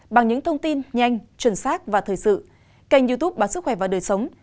bằng những thông tin nhanh chuẩn xác và thời sự kênh youtube bán sức khỏe và đời sống